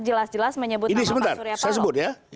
jelas jelas menyebutkan pak suryapalo ini sebentar saya sebut ya